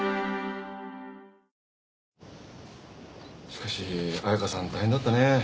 しかし彩佳さん大変だったねえ。